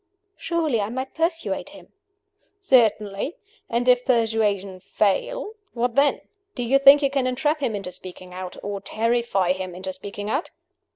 "Surely I might persuade him?" "Certainly. And if persuasion fail what then? Do you think you can entrap him into speaking out? or terrify him into speaking out?"